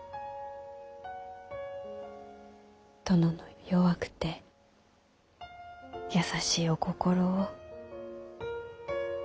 殿の弱くて優しいお心を。